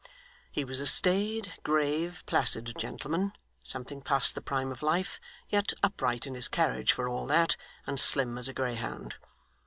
He was a staid, grave, placid gentleman, something past the prime of life, yet upright in his carriage, for all that, and slim as a greyhound.